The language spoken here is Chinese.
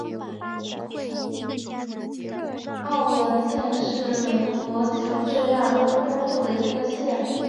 沃伦县是美国乔治亚州东部的一个县。